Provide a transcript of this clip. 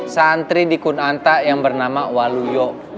santri di kunanta yang bernama waluyo